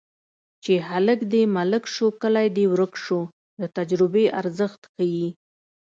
چې هلک دې ملک شو کلی دې ورک شو د تجربې ارزښت ښيي